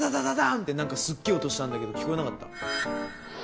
ってなんかすっげぇ音したんだけど聞こえなかった？